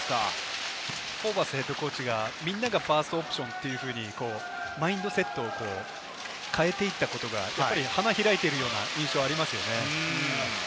ホーバスＨＣがみんながファーストオプションというように、マインドセットを変えていったことが花開いてるような印象がありますね。